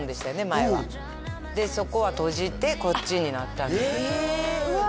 前はでそこは閉じてこっちになったんですへえうわ